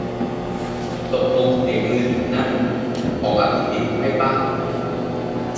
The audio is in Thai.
ตกลงเสียงมือถือนั่น ของอภิสิทธิ์ใช่ป่ะ